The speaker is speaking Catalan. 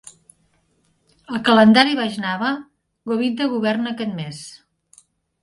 Al calendari Vaishnava, Govinda governa aquest mes.